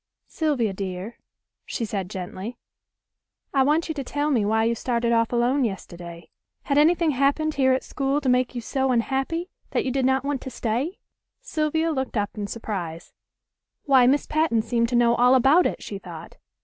"Sylvia, dear," she said gently, "I want you to tell me why you started off alone yesterday. Had anything happened here at school to make you so unhappy that you did not want to stay?" Sylvia looked up in surprise. Why, Miss Patten seemed to know all about it, she thought.